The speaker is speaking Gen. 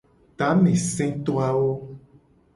Tameseto awo.